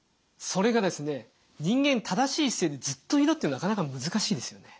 それがですね人間正しい姿勢でずっといるってなかなか難しいですよね。